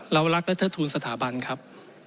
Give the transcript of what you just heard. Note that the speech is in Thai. เรารักและเทิดทูลสถาบันครับ